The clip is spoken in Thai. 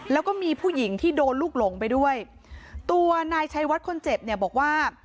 แล้วก็มีผู้หญิงที่โดนลูกหลงไปด้วยตัวนายชัยวัดคนเจ็บเนี่ยบอกว่า